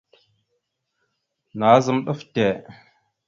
Nazam ɗaf te.